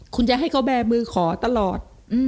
คุณจะให้เขาแบร์มือขอตลอด